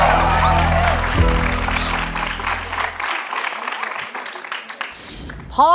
ถูกครับ